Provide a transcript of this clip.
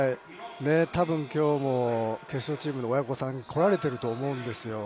◆多分、きょうも決勝チームの親御さん、来られていると思うんですよ。